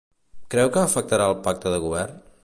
Creu que afectarà el pacte de Govern?